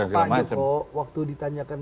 gampang juga kok waktu ditanyakan